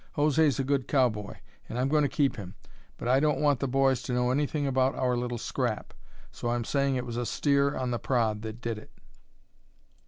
José's a good cowboy, and I'm going to keep him. But I don't want the boys to know anything about our little scrap. So I'm saying it was a steer on the prod that did it."